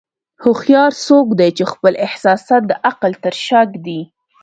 هوښیار څوک دی چې خپل احساسات د عقل تر شا ږدي.